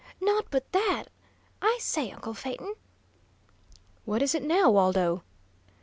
"Not but that I say, uncle Phaeton?" "What is it now, Waldo?"